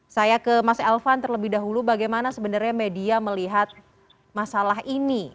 saya ke mas elvan terlebih dahulu bagaimana sebenarnya media melihat masalah ini